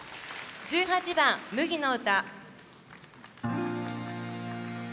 １８番「麦の唄」。